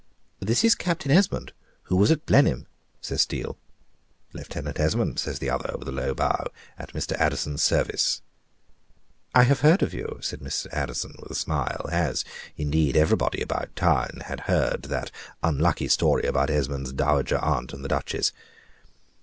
"This is Captain Esmond who was at Blenheim," says Steele. "Lieutenant Esmond," says the other, with a low bow, "at Mr. Addison's service. "I have heard of you," says Mr. Addison, with a smile; as, indeed, everybody about town had heard that unlucky story about Esmond's dowager aunt and the Duchess.